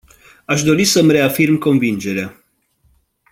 Aș dori să îmi reafirm convingerea.